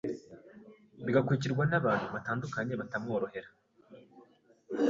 Bigakurikirwa n’abantu batandukanye batamworohera,